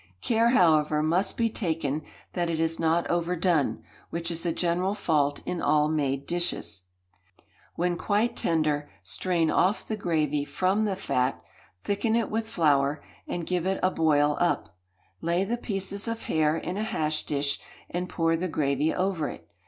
Care, however, must be taken that it is not overdone, which is the general fault in all made dishes. When quite tender, strain off the gravy from the fat, thicken it with flour, and give it a boil up; lay the pieces of hare in a hash dish, and pour the gravy over it.